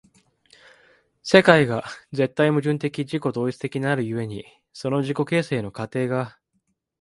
世界が絶対矛盾的自己同一的なる故に、その自己形成の過程が